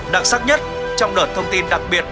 đặc sắc nhất trong đợt thông tin đặc biệt